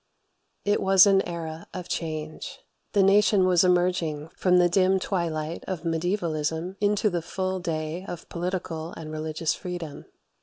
32. It was an era of change. The nation was emerging from the dim twilight of mediaevalism into the full day of political and religious freedom.